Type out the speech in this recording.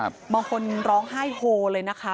บางคนร้องไห้โฮเลยนะคะ